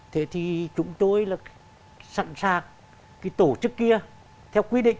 thế thì chúng tôi là sẵn sàng cái tổ chức kia theo quy định